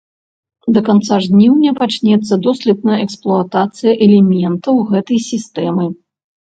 Да канца жніўня пачнецца доследная эксплуатацыя элементаў гэтай сістэмы.